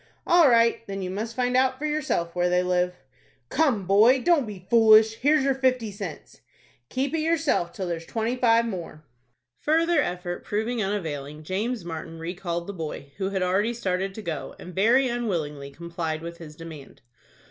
"All right. Then you must find out for yourself where they live." "Come, boy, don't be foolish. Here's your fifty cents." "Keep it yourself till there's twenty five more." Further effort proving unavailing, James Martin recalled the boy, who had already started to go, and very unwillingly complied with his demand.